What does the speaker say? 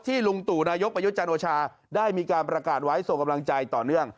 ลุงตู่นายกประยุทธ์จันโอชาได้มีการประกาศไว้ส่งกำลังใจต่อเนื่อง